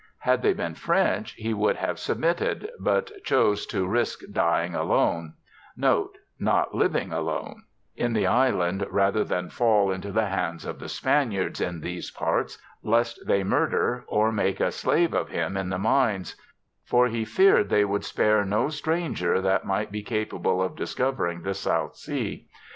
Had they been French, he would have submitted, but chose to risque dying alone " (note, not living alone) in the Hand, rather than fall into the hands of the Spaniards in these parts, lest they murder, or make a slave of him in the mines ; for he fear'd they would spare no stranger that might be capable of discovering the South Sea.